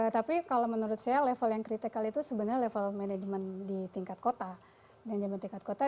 tapi kalau menurut saya level yang kritikal itu sebenarnya level manajemen di tingkat kota